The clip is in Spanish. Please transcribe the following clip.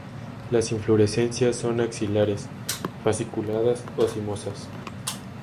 Las inflorescencias son axilares, fasciculadas o cimosas.